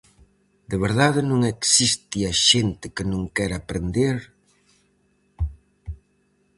De verdade non existe a xente que non quere aprender?